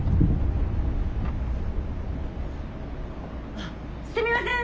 あすみません！